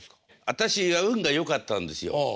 私が運がよかったんですよ。